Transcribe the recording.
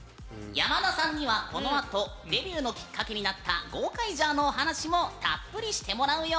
山田さんにはこのあとデビューのきっかけになった「ゴーカイジャー」のお話もたっぷりしてもらうよ！